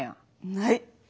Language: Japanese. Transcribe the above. ない。